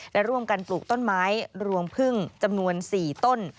และร่วมกันปลูกต้นไม้รวงพึ่งจำนวน๔ต้น